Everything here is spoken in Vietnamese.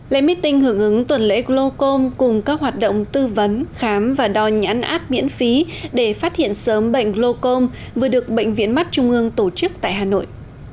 lê mỹ tinh hưởng ứng tuần lễ glocom cùng các hoạt động tư vấn khám và đo nhắn app miễn phí để phát hiện sớm bệnh glocom vừa được bệnh viện mắt trung ương tổ chức tại hà nội